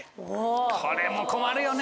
これも困るよね